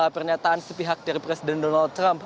pernyataan sepihak dari presiden donald trump